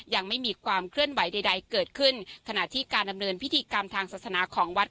ยังไม่มีความเคลื่อนไหวใดเกิดขึ้นขณะที่การดำเนินพิธีกรรมทางศาสนาของวัด